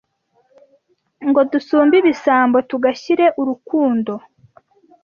Ngo dusumbe ibisambo Tugashyire urukundo